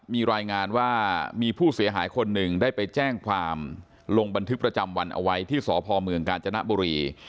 มีรายงานว่ามีผู้เสียหายคนหนึ่งได้ไปแจ้งความลงบันทึกประจำวันเอาไว้ที่สพเมืองกาญจนบุรี